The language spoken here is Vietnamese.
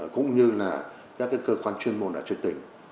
cũng như là các cơ quan chuyên môn ở trên tỉnh